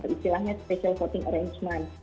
istilahnya special voting arrangement